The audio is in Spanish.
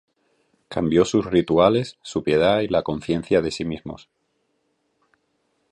Cambió sus rituales, su piedad y la conciencia de sí mismos.